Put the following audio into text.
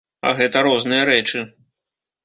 А гэта розныя рэчы.